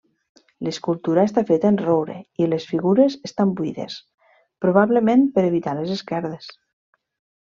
L'escultura està feta en roure i les figures estan buides, probablement per evitar les esquerdes.